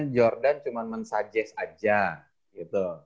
jordan cuman mensuggest aja gitu